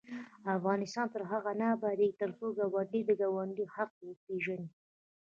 افغانستان تر هغو نه ابادیږي، ترڅو ګاونډي د ګاونډي حق وپيژني.